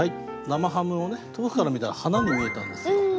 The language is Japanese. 生ハムを遠くから見たら花に見えたんですよ。